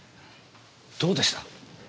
どうでした？